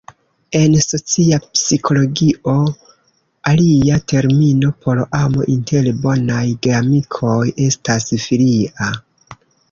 En socia psikologio, alia termino por amo inter bonaj geamikoj estas "filia".